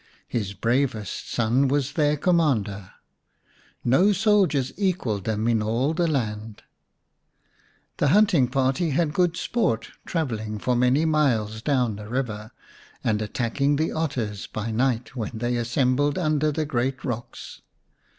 His bravest son was their commander ; no soldiers equalled them in all the land. The hunting party had good sport, travelling for many miles down the river, and attacking the otters by night, when they assemble under the great rocks.